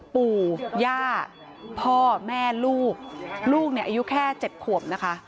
ปู่ย่าพ่อแม่ลูกลูกเนี่ยอายุแค่๗ขวบนะคะ